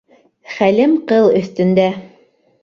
Хәлем ҡыл өҫтөндә!